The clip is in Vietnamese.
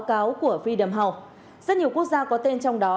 tất cả các báo cáo của freedom house rất nhiều quốc gia có tên trong đó